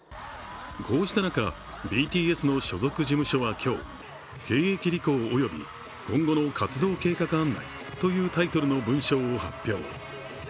こうした中、ＢＴＳの所属事務所は今日、兵役履行および、今後の活動計画案内というタイトルの文章を発表。